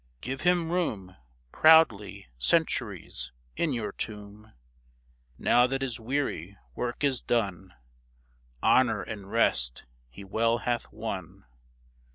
Give him room Proudly, Centuries ! in your tomb. Now that his weary work is done. Honor and rest he well hath won.